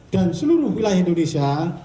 dan seluruh wilayah indonesia